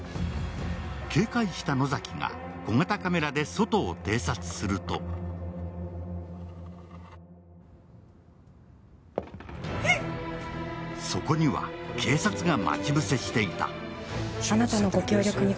警戒した野崎が小型カメラで外を偵察するとそこには警察が待ち伏せしていた。